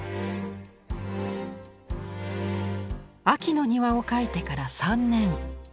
「秋の庭」を描いてから３年。